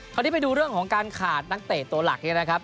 คราวนี้ไปดูเรื่องของการขาดนักเตะตัวหลักเนี่ยนะครับ